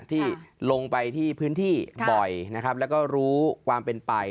ที่ลงไปที่พื้นที่บ่อยนะครับแล้วก็รู้ความเป็นไป